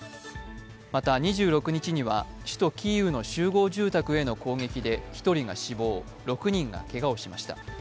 また２６日には首都キーウの集合住宅への攻撃で１人が死亡、６人がけがをしました。